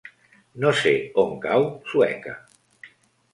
No sé on cau Sueca.